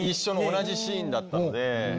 同じシーンだったので。